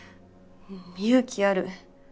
勇気ある。